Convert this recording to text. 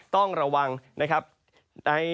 ต้องระวังใน